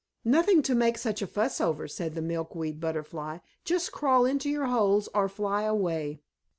"Nothing to make such a fuss over," said a Milkweed Butterfly. "Just crawl into your holes or fly away."